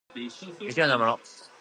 未使用のもの